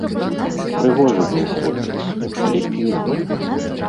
Прыгожы быў хлопец, але піў.